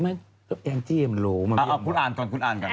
เอาอคุณอ่านก่อน